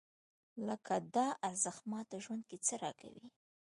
لکه دا ارزښت ماته ژوند کې څه راکوي؟